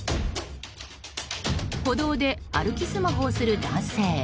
歩道で歩きスマホをする男性。